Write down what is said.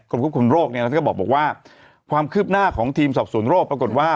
ควบคุมโรคเนี่ยท่านก็บอกว่าความคืบหน้าของทีมสอบสวนโรคปรากฏว่า